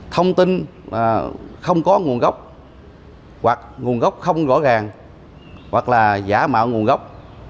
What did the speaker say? thông tin không có nguồn gốc hoặc nguồn gốc không rõ ràng hoặc là giả mạo nguồn gốc